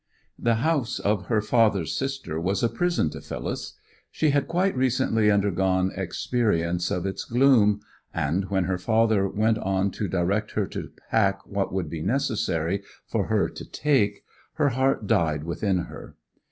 The house of her father's sister was a prison to Phyllis. She had quite recently undergone experience of its gloom; and when her father went on to direct her to pack what would be necessary for her to take, her heart died within her.